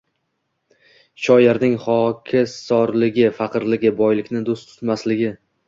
Shoirning xokisorligi, faqirligi, boylikni do’st tutmasligi